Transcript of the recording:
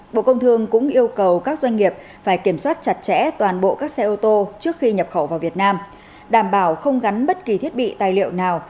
bộ công thương cũng yêu cầu các doanh nghiệp phải kiểm soát chặt chẽ toàn bộ các xe ô tô trước khi nhập khẩu vào việt nam đảm bảo không gắn bất kỳ thiết bị tài liệu nào